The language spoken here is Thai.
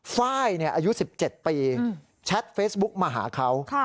ฟ้ายอายุ๑๗ปีแชทเฟสบุ๊คมาหาเขา